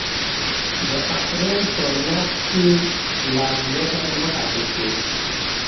د اپرېل په میاشت کې لارډ لیټن وټاکل شو.